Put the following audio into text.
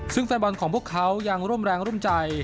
ซึ่งแฟนบอลของพวกเขายังร่วมแรงร่วมใจ